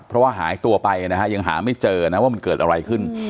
เพราะว่าหายตัวไปนะฮะยังหาไม่เจอนะว่ามันเกิดอะไรขึ้น